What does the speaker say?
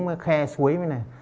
mới khe suối như thế này